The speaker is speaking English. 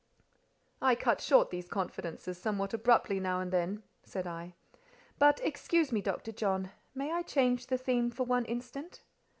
"I cut short these confidences somewhat abruptly now and then," said I. "But excuse me, Dr. John, may I change the theme for one instant?